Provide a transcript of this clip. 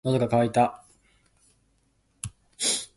喉が渇いた。